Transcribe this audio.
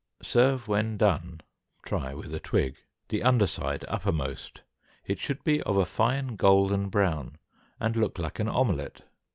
Serve when done (try with a twig), the under side uppermost; it should be of a fine golden brown and look like an omelet.